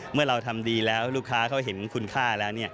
เมื่อเราทำดีแล้วลูกค้าเขาเห็นคุณค่าแล้ว